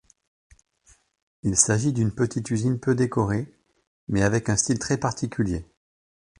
Il s’agit d’une petite usine peu décorée mais avec un style très particulier.